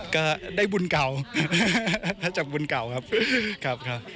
ก็ได้บุญเก่าจากบุญเก่าครับครับครับ